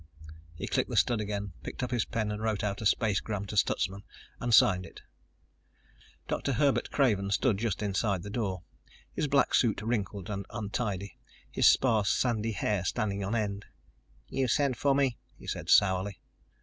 He clicked the stud again, picked up his pen, wrote out a spacegram to Stutsman, and signed it. Dr. Herbert Craven stood just inside the door, his black suit wrinkled and untidy, his sparse sandy hair standing on end. "You sent for me," he said sourly.